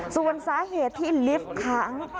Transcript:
ส่วนสาเหตุที่ลิฟต์ค้าง